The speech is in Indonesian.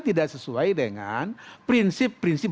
tidak sesuai dengan prinsip prinsip